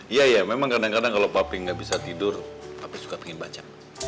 iya iya memang kadang kadang kalau papi gak bisa tidur papi suka pengen baca